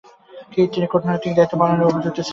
তিনি কূটনীতিক দায়িত্ব পালনের উপযুক্ত ছিলেন।